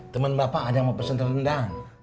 temen bapak ada yang mau pesen terendang